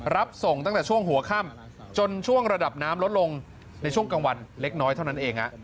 รับส่งตั้งแต่ช่วงหัวค่ำจนช่วงระดับน้ำลดลงในช่วงกลางวันเล็กน้อยเท่านั้นเอง